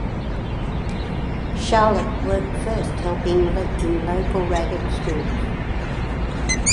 Charlotte worked first helping in local ragged schools.